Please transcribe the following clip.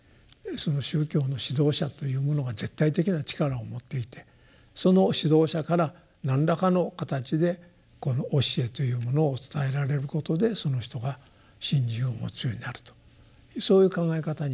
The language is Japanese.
その宗教の指導者という者が絶対的な力を持っていてその指導者から何らかの形でこの教えというものを伝えられることでその人が信心を持つようになるとそういう考え方になりがちだと思うんですね。